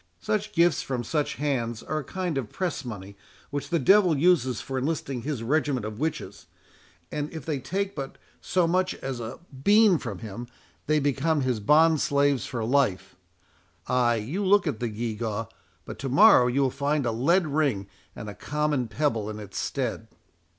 Such gifts from such hands are a kind of press money which the devil uses for enlisting his regiment of witches; and if they take but so much as a bean from him, they become his bond slaves for life—Ay, you look at the gew gaw, but to morrow you will find a lead ring, and a common pebble in its stead."